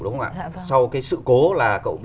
đúng không ạ sau cái sự cố là cậu